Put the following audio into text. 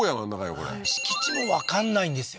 これ敷地もわかんないんですよ